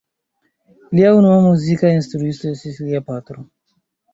Lia unua muzika instruisto estis lia patro.